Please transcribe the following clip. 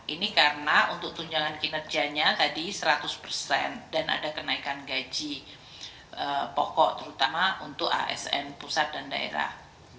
ini karena untuk tunjangan kinerjanya tadi seratus persen dan ada kenaikan gaji pokok terutama untuk asn pusat dan daerah